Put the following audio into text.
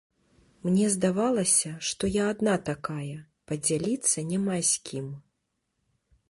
Мне здавалася, што я адна такая, падзяліцца няма з кім.